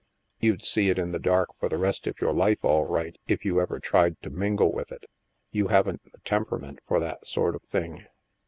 " You'd see it in the dark for the rest of your life, all right, if you ever tried to mingle with it. You haven't the temperament for that sort of thing.